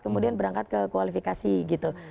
kemudian berangkat ke kualifikasi gitu